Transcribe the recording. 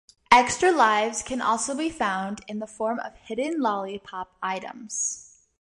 Extra lives can also be found in the form of hidden "Lollipop" items.